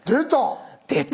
出た！